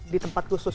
di tempat khusus